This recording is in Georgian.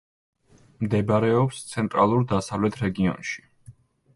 მდებარეობს ცენტრალურ-დასავლეთ რეგიონში.